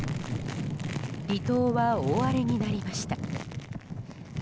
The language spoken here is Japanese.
離島は大荒れになりました。